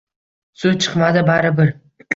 Suv chiqmadi bari bir.